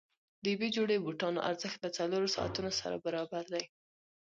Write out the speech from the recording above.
د یوې جوړې بوټانو ارزښت له څلورو ساعتونو سره برابر دی.